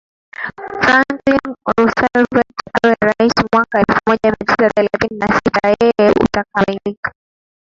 Franklin Roosevelt awe rais mwaka elfu moja mia tisa thelathini na sita yeye utakamilika